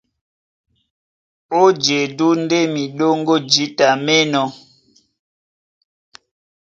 Ó jedú ndé miɗóŋgó jǐta mí enɔ́.